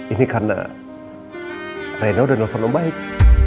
ini karena rena udah telepon om baik